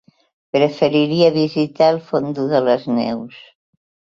Preferiria visitar el Fondó de les Neus.